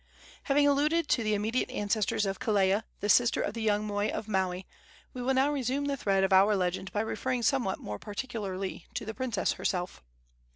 Having alluded to the immediate ancestors of Kelea, the sister of the young moi of Maui, we will now resume the thread of our legend by referring somewhat more particularly to the princess herself.